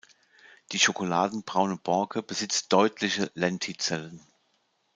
Die schokoladen-braune Borke besitzt deutliche Lentizellen.